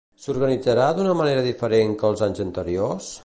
S'organitzarà d'una manera diferent que els anys anteriors?